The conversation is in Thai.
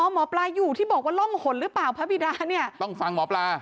หมอปลาอยู่ที่บอกว่าร่องหนหรือเปล่าพระบิดาเนี่ยต้องฟังหมอปลา